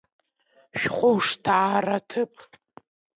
Шәхәышҭаараҭыԥ.